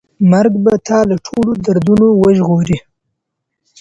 مرګ به تا له ټولو دردونو وژغوري.